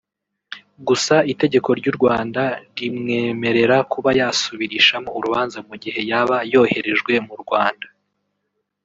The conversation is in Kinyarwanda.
Gusa itegeko ry’u Rwanda rimwemerera kuba yasubirishamo urubanza mu gihe yaba yoherejwe mu Rwanda